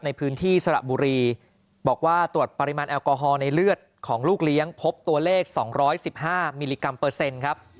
ในพื้นที่สระบุรีบอกว่าตรวจปริมาณแอลกอฮอลในเลือดของลูกเลี้ยงพบตัวเลข๒๑๕มิลลิกรัมเปอร์เซ็นต์ครับ